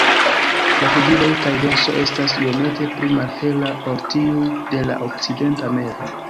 La flugiloj kaj dorso estas iomete pli malhela ol tiuj de la Okcidenta mevo.